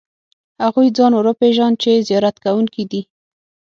هغوی ځان ور وپېژاند چې زیارت کوونکي دي.